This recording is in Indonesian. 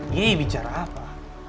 dia bicara apa